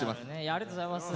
ありがとうございます。